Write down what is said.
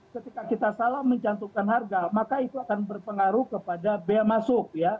ketika kita salah mencantumkan harga maka itu akan berpengaruh kepada bea masuk